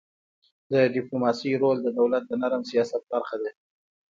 د ډيپلوماسی رول د دولت د نرم سیاست برخه ده.